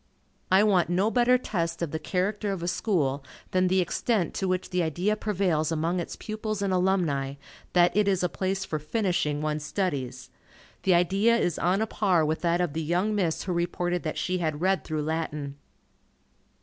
I want no better test of the character of a school than the extent to which the idea prevails among its pupils and alumni, that it is a place for "finishing" one's studies. The idea is on a par with that of the young Miss who reported that she had read through Latin!